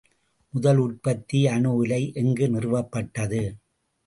முதல் உற்பத்தி அணு உலை எங்கு நிறுவப்பட்டது?